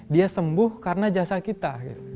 dia sembuh karena jasa kita